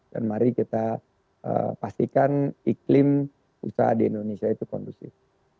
dan mari kita pastikan iklim usaha di indonesia itu kondusif